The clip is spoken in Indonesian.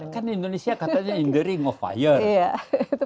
kan di indonesia katanya enduring of fire